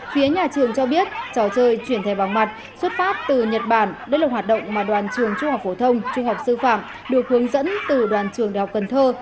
phía nhà trường cho biết trò chơi chuyển thẻ bảo mật xuất phát từ nhật bản đây là hoạt động mà đoàn trường trung học phổ thông trung học sư phạm được hướng dẫn từ đoàn trường đại học cần thơ